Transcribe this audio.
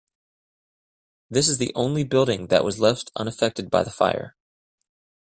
This is the only building that was left unaffected by fire.